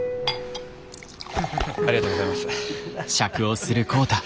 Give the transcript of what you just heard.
ありがとうございます。